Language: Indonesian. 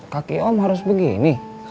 kaki om harus begini